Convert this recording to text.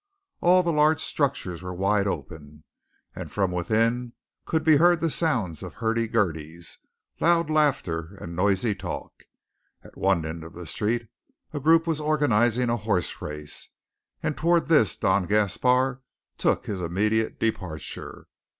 All the larger structures were wide open, and from within could be heard the sounds of hurdy gurdies, loud laughter and noisy talk. At one end of the street a group was organizing a horse race; and toward this Don Gaspar took his immediate departure.